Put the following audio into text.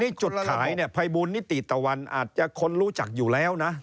นี่จุดขายเนี่ยภัยบูลนิติตะวันอาจจะคนรู้จักอยู่แล้วนะ